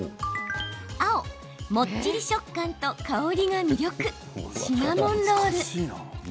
青・もっちり食感と香りが魅力シナモンロール。